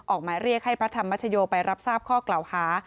หมายเรียกให้พระธรรมชโยไปรับทราบข้อกล่าวหา